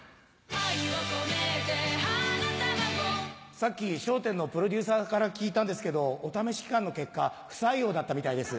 愛をこめて花束をさっき『笑点』のプロデューサーから聞いたんですけどお試し期間の結果不採用だったみたいです。